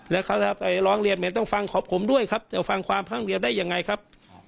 แล้วเขาจะไปร้องเรียนเหมือนต้องฟังผมด้วยครับแต่ฟังความฟังเรียนได้ยังไงครับ